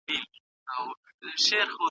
څه وخت دولتي شرکتونه اوړه هیواد ته راوړي؟